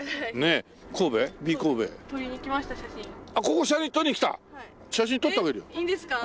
えっいいんですか？